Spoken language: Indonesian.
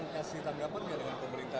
kasih tanggapan nggak dengan pemerintah